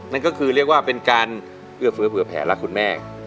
นั่นก็คือเรียกว่าเป็นการเผื่อแผลละคุณแม่